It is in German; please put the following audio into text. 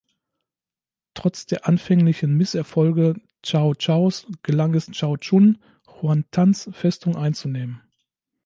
Trotz der anfänglichen Misserfolge Cao Caos gelang es Cao Chun, Yuan Tans Festung einzunehmen.